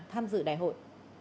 tham dự đại hội